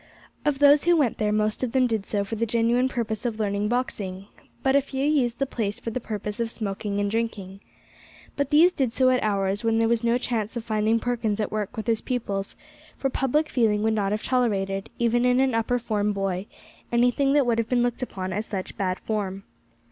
Of those who went there, most of them did so for the genuine purpose of learning boxing; but a few used the place for the purpose of smoking and drinking. But these did so at hours when there was no chance of finding Perkins at work with his pupils, for public feeling would not have tolerated, even in an upper form boy, anything that would have been looked upon as such bad form.